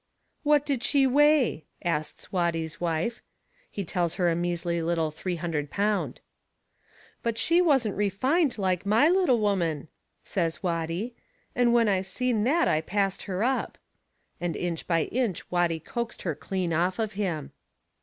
"What did she weigh?" asts Watty's wife. He tells her a measly little three hundred pound. "But she wasn't refined like my little woman," says Watty, "and when I seen that I passed her up." And inch by inch Watty coaxed her clean off of him.